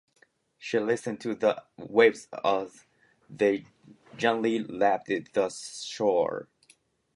She listened to the waves as they gently lapped the shore.